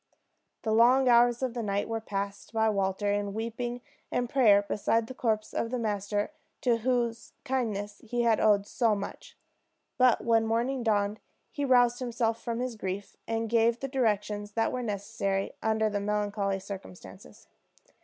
The long hours of the night were passed by Walter in weeping and prayer beside the corpse of the master to whose kindness he had owed so much; but when morning dawned he roused himself from his grief, and gave the directions that were necessary under the melancholy circumstances.